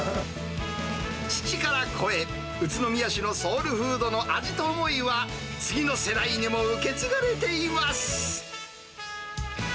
父から子へ、宇都宮市のソウルフードの味と思いは、次の世代にも受け継がれています。